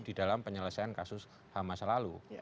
di dalam penyelesaian kasus hamas lalu